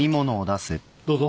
どうぞ。